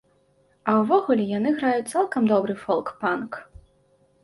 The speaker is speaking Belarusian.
А ўвогуле яны граюць цалкам добры фолк-панк.